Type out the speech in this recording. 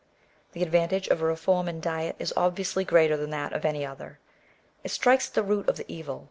The advantage of a reform in diet is obviously greater than that of any other. It strikes at the root of the evil.